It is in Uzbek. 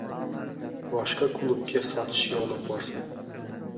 Boshqa klubga sotishga olib borsin